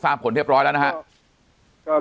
สร้างผลเทียบร้อยแล้วนะครับ